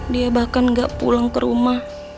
dia bahkan gak pulang ke rumah